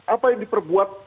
apa yang diperbuat